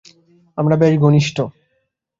আমরা বেশ ঘনিষ্ঠ হয়ে গেছি মানুষ এবং পোষাপ্রাণী হিসেবে।